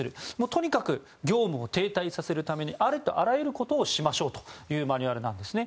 とにかく業務を停滞させるためにありとあらゆることをしましょうというマニュアルなんですね。